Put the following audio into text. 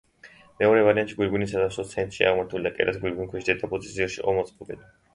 მეორე ვარიანტში გვირგვინი სათავსოს ცენტრშია აღმართული და კერაც გვირგვინქვეშ, დედაბოძის ძირში იყო მოწყობილი.